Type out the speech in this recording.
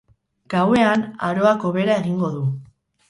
Gauean, aroak hobera egingo du.